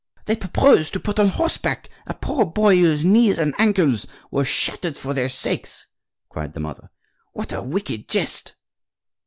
"They propose to put on horseback a poor boy whose knees and ankles were shattered for their sakes!" cried the mother. "What a wicked jest!"